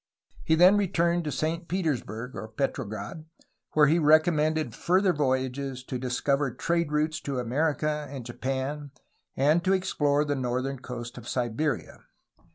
He then returned to Saint Petersburg (Petrograd), where he recommended further voyages to discover trade routes to America and Japan and to explore the northern coast of Siberia.